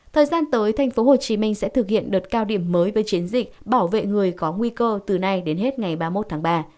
thời gian tới thành phố hồ chí minh sẽ thực hiện đợt cao điểm mới với chiến dịch bảo vệ người có nguy cơ từ nay đến hết ngày ba mươi một tháng ba